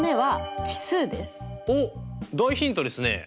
おっ大ヒントですねえ。